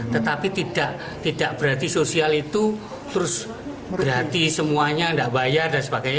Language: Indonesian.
tetapi tidak berarti sosial itu terus berarti semuanya tidak bayar dan sebagainya